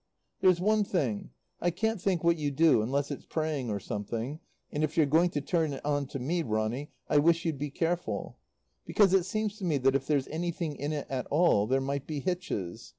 "There's one thing. I can't think what you do, unless it's praying or something; and if you're going to turn it on to me, Ronny, I wish you'd be careful; because it seems to me that if there's anything in it at all, there might be hitches.